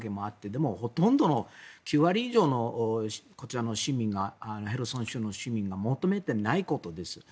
でもほとんどの９割以上のこちらの市民がヘルソン州の市民が求めてないことです。